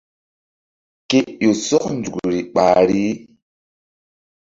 Ke ƴo sɔk nzukri ɓahri.